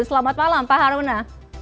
selamat malam pak haruna